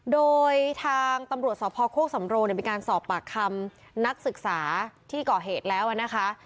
โดยทางตำรวจสพโคกสำโรงมีการสอบปากคำนักศึกษาที่ก่อเหตุแล้วนะคะ